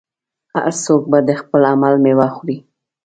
هر څوک به د خپل عمل میوه خوري.